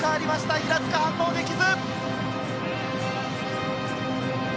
平塚、反応できず。